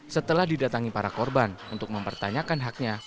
setelah didatangi para korban untuk mempertanyakan haknya